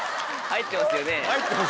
入ってますよね。